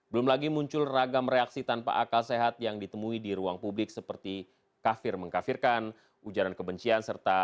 belum lagi muncul ragam reaksi tanpa akal sehat yang ditemui di ruang publik seperti kafir mengkafirkan ujaran kebencian serta